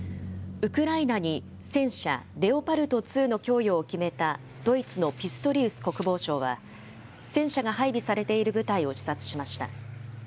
ウクライナに戦車レオパルト２の供与を決めたドイツのピストリウス国防相は、戦車が配備されている部隊を視察しました。